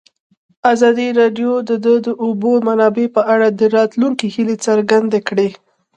ازادي راډیو د د اوبو منابع په اړه د راتلونکي هیلې څرګندې کړې.